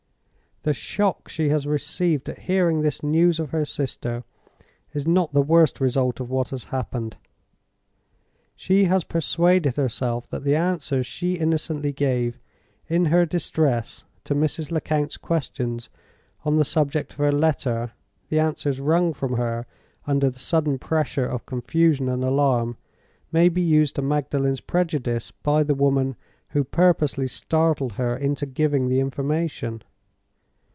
The shock she has received at hearing this news of her sister is not the worst result of what has happened. She has persuaded herself that the answers she innocently gave, in her distress, to Mrs. Lecount's questions on the subject of her letter—the answers wrung from her under the sudden pressure of confusion and alarm—may be used to Magdalen's prejudice by the woman who purposely startled her into giving the information.